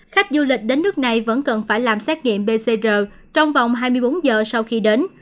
khách du lịch đến nước này vẫn cần phải làm xét nghiệm pcr trong vòng hai mươi bốn giờ sau khi đến